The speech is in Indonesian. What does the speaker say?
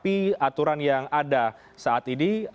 masyarakat harus menyikapi aturan yang ada saat ini